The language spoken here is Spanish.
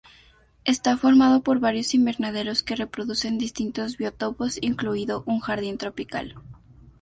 Está formado por varios invernaderos que reproducen distintos biotopos incluido un jardín tropical.